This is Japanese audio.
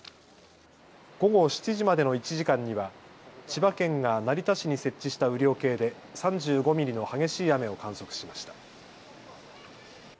午後７時までの１時間には千葉県が成田市に設置した雨量計で３５ミリの激しい雨を観測しました。